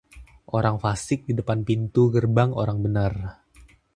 orang fasik di depan pintu gerbang orang benar.